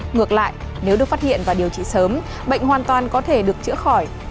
ngược lại nếu được phát hiện và điều trị sớm bệnh hoàn toàn có thể được chữa khỏi